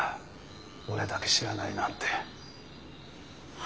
俺だけ知らないなんて。